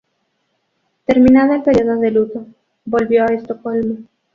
Terminado el periodo de luto, volvió a Estocolmo.